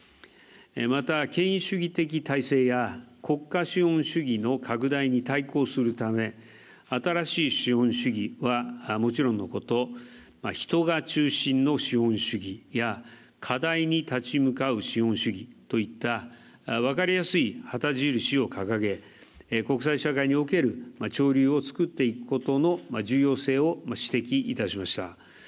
また、権威主義的体制や国家資本主義の拡大に対抗するため、新しい資本主義は、もちろんのこと人が中心の資本主義や課題に立ち向かう資本主義といった、分かりやすい旗印を掲げ、国際社会における潮流を作っていくことの重要性を指摘いたしました。